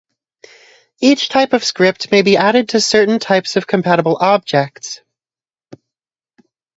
Each type of script may be added to certain types of compatible objects.